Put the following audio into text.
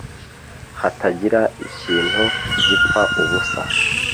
hatagira ikintu gipfa ubusa